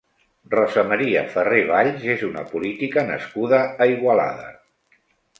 Rosa Maria Ferrer Valls és una política nascuda a Igualada.